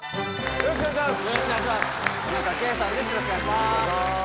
よろしくお願いします。